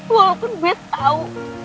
walaupun gue tau